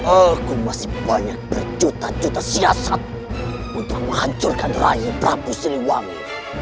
aku masih banyak berjuta juta siasat untuk menghancurkan rayu prabu siliwangi